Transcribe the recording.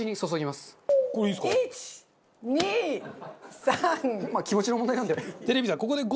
まあ気持ちの問題なんでね。